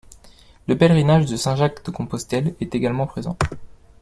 Le Pèlerinage de Saint-Jacques-de-Compostelle est également présent.